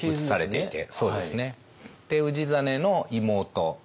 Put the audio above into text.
氏真の妹。